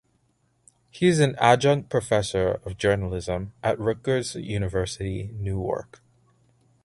He is an adjunct professor of journalism at Rutgers University–Newark.